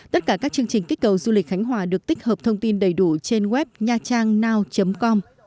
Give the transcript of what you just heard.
tất cả các chương trình kích cầu du lịch khánh hòa được tích hợp thông tin đầy đủ trên web nhatrangnao com